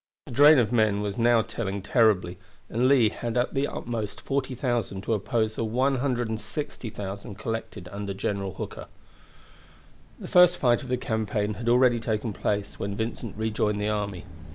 The drain of men was now telling terribly, and Lee had at the utmost 40,000 to oppose the 160,000 collected under General Hooker. The first fight of the campaign had already taken place when Vincent rejoined the army.